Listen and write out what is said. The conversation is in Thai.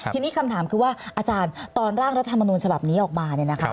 ทีนี้คำถามคือว่าอาจารย์ตอนร่างรัฐมนูญฉบับนี้ออกมาเนี่ยนะคะ